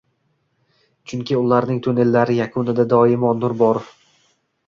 chunki ularning tunnellari yakunida doimo nur bor.